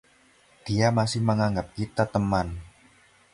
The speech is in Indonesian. Dia masih menganggap kita teman.